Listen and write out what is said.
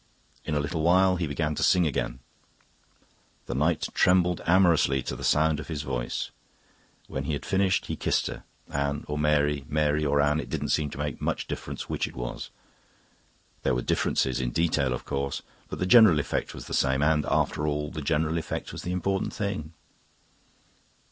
In a little while he began to sing again; the night trembled amorously to the sound of his voice. When he had finished he kissed her. Anne or Mary: Mary or Anne. It didn't seem to make much difference which it was. There were differences in detail, of course; but the general effect was the same; and, after all, the general effect was the important thing.